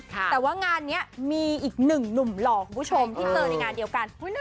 ก็แล้วเมื่องานนี้มีอีกหนึ่งหนุ่มหล่อของผู้ชมที่เปิดในรายงานเดียวกัน